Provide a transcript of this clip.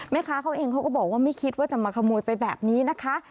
แม่ค้าเขาเองเขาก็บอกว่าไม่คิดว่าจะมาขโมยไปแบบนี้นะคะ